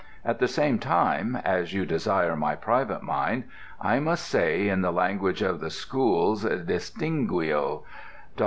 At the same time (as you desire my private mind) I must say, in the language of the schools, distinguo.